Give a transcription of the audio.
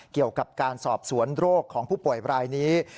เกี่ยวกับการสอบสวนโรคของผู้ป่วยรายนี้